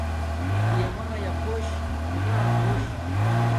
پیا میا خوش خدا خوش